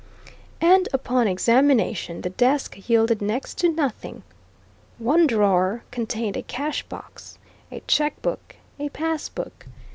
And upon examination the desk yielded next to nothing. One drawer contained a cash box, a checkbook, a pass book.